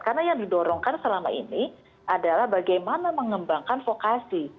karena yang didorongkan selama ini adalah bagaimana mengembangkan vokasi